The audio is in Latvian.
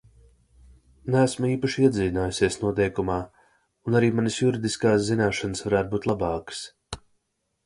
Neesmu īpaši iedziļinājusies noteikumā un arī manas juridiskās zināšanas varētu būt labākas.